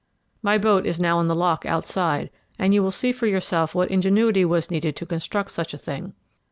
My boat is now in the lock outside, and you will see for yourself what ingenuity was needed to construct such a thing.